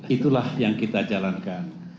itulah yang kita jalankan